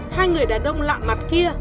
hai người đàn ông lạ mặt kia